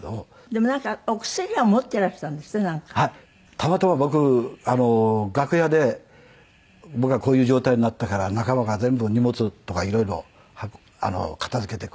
たまたま僕楽屋で僕がこういう状態になったから仲間が全部荷物とか色々片付けてくれて。